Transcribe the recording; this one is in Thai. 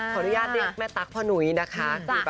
ขออนุญาตเรียกแม่ตั๊กพ่อหนุ้ยนะคะ